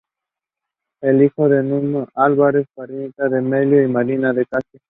Era hijo de Nuno Álvares Pereira de Melo y de Mariana de Castro.